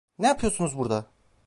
Ne yapıyorsunuz burada?